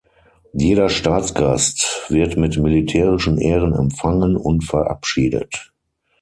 Jeder Staatsgast wird mit militärischen Ehren empfangen und verabschiedet.